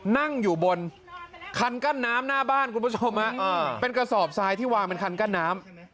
นั่งอยู่บนคันกั้นน้ำหน้าบ้านคุณผู้ชมฮะเป็นกระสอบทรายที่วางเป็นคันกั้นน้ำ